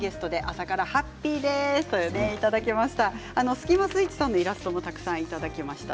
スキマスイッチさんのイラストもたくさんいただきました。